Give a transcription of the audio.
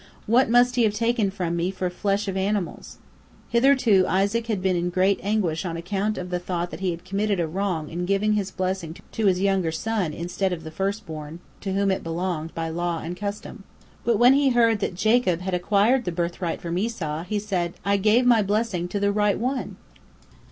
What must he have taken from thee for flesh of animals?" Hitherto Isaac had been in great anguish on account of the thought that he had committed a wrong in giving his blessing to his younger son instead of the first born, to whom it belonged by law and custom. But when he heard that Jacob had acquired the birthright from Esau, he said, "I gave my blessing to the right one!"